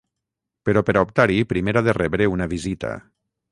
Però per a optar-hi primer ha de rebre una visita.